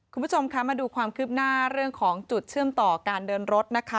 คุณผู้ชมคะมาดูความคืบหน้าเรื่องของจุดเชื่อมต่อการเดินรถนะคะ